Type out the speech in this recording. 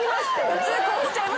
普通こうしちゃいます。